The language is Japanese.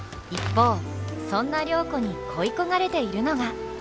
一方そんな良子に恋焦がれているのが。